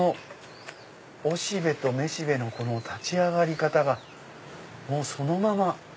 おしべとめしべのこの立ち上がり方がそのまま。